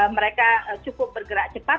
mereka cukup bergerak cepat